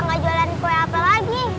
gak jualan kue apa lagi